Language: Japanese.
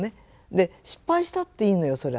で失敗したっていいのよそれは。